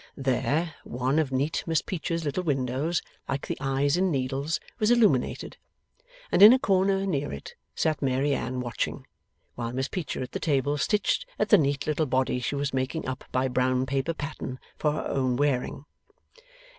There, one of neat Miss Peecher's little windows, like the eyes in needles, was illuminated, and in a corner near it sat Mary Anne watching, while Miss Peecher at the table stitched at the neat little body she was making up by brown paper pattern for her own wearing.